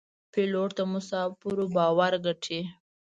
پیلوټ د مسافرو باور ګټي.